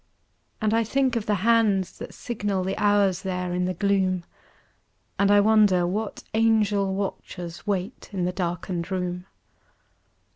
And I think of the hands that signal The hours there in the gloom, And wonder what angel watchers Wait in the darkened room.